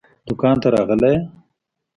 دوکان ته راغلی يې؟